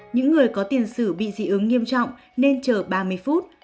những người có tiền sử bị dị ứng nghiêm trọng nên chờ ba mươi phút